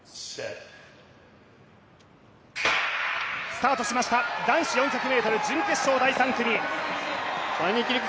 スタートしました、男子４００ｍ準決勝第３組。